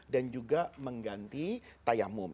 dan juga mengganti tayamum